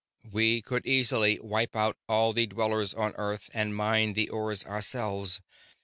"We could easily wipe out all the dwellers on Earth and mine the ores ourselves.